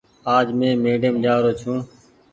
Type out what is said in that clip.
آج مين ميڙيم جآ رو ڇو۔